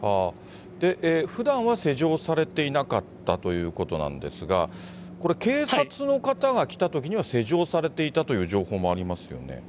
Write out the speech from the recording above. ふだんは施錠されていなかったということなんですが、これ、警察の方が来たときには、施錠されていたという情報もありますよね。